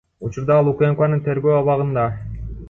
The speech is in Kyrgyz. Учурда ал УКМКнын тергөө абагында.